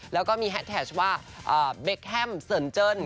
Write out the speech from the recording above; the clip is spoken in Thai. แล้วก็มีแฮดแท็กว่าเบคแฮมเซินเจิ้น